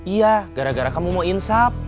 iya gara gara kamu mau insap